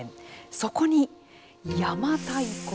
そこに、邪馬台国。